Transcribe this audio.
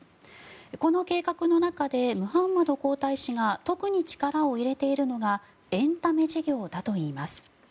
この計画の中でムハンマド皇太子が特に力を入れているのがエンタメ事業だといいます。